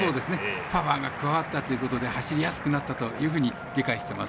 パワーが加わったということで走りやすくなったというふうに理解しています。